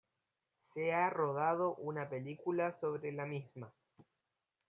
Se ha rodado una película sobre la misma.